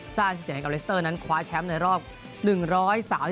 ซ่าเฉียงกับเลสเตอร์นั้นกว้าแชมป์ในรอบ๑๓๒มือของสโมสร